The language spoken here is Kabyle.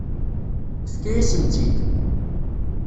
Tefka-yasen-tt-id.